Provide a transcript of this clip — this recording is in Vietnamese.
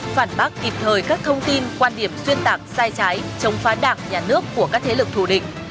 phản bác kịp thời các thông tin quan điểm xuyên tạc sai trái chống phá đảng nhà nước của các thế lực thù địch